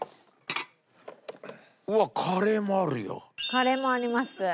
カレーもあります。